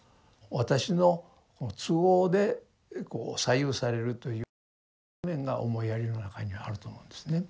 私のこの都合でこう左右されるというそういう面が思いやりの中にあると思うんですね。